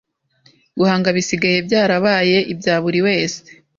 guhanga bisigaye byarabaye ibyaburi wese